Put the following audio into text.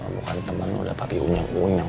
bukan temen udah tapi unyang unyang